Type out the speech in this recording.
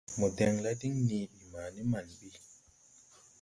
Mo dɛŋla diŋ nii ɓi ma ni man ɓi.